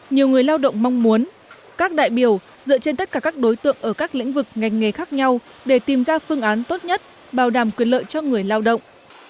nhiều người lao động mong muốn các đại biểu dựa trên tất cả các đối tượng ở các lĩnh vực ngành nghề khác nhau để tìm ra phương án tốt nhất bảo đảm quyền lợi cho người lao động